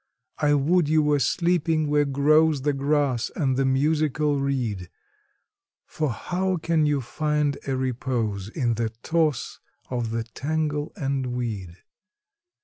I would you were sleeping where grows the grass and the musical reed! For how can you find a repose in the toss of the tangle and weed?